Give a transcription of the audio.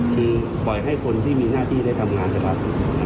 คือปล่อยให้คนที่มีหน้าที่ได้ทำงานนะครับ